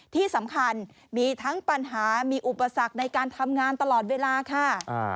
ที่สำคัญมีทั้งปัญหามีอุปสรรคในการทำงานตลอดเวลาค่ะ